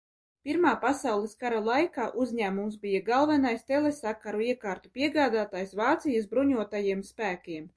Pirmā pasaules kara laikā uzņēmums bija galvenais telesakaru iekārtu piegādātājs Vācijas bruņotajiem spēkiem.